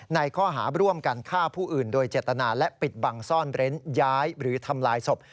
ในข้อหาร่วมกันฆ่าผู้อื่นโดยเจตนาและปิดบังซ่อนเร้นย้ายหรือทำลายศพ